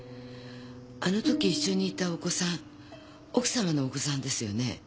あの時一緒にいたお子さん奥様のお子さんですよね？